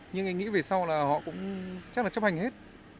nhưng anh nghĩ về sau là họ cũng chắc là chấp hành hết